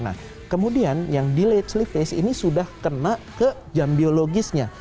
nah kemudian yang delayed sleep phase ini sudah kena ke jam biologisnya